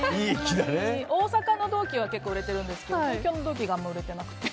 大阪の同期は結構売れてるんですけど東京の同期があんまり売れてなくて。